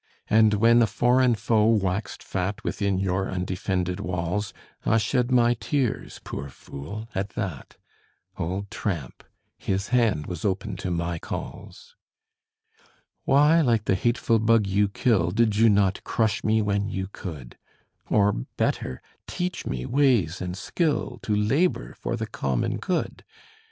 And when a foreign foe waxed fat Within your undefended walls, I shed my tears, poor fool, at that: Old tramp, his hand was open to my calls. Why, like the hateful bug you kill, Did you not crush me when you could? Or better, teach me ways and skill To labor for the common good?